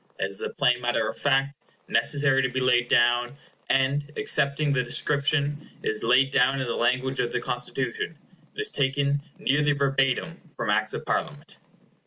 This is a plain matter of fact, necessary to be laid down, and, excepting the description, it is laid down in the language of the Constitution; it is taken nearly verbatim from Acts of Parliament.